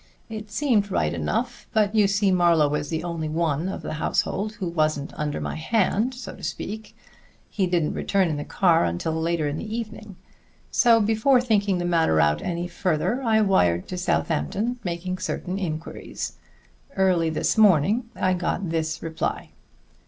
It seemed right enough; but you see, Marlowe was the only one of the household who wasn't under my hand, so to speak; he didn't return in the car until later in the evening; so before thinking the matter out any further, I wired to Southampton making certain inquiries. Early this morning I got this reply."